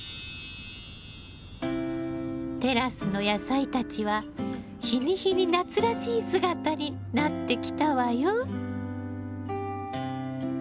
テラスの野菜たちは日に日に夏らしい姿になってきたわよ。